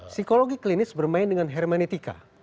psikologi klinis bermain dengan hermenetika